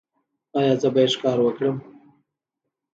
ایا زه باید ښکار وکړم؟